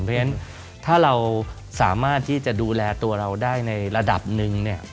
เพราะฉะนั้นถ้าเราสามารถที่จะดูแลตัวเราได้ในระดับหนึ่ง